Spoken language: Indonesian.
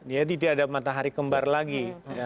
jadi tidak ada matahari kembar lagi